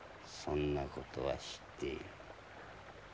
そんな事は知っている。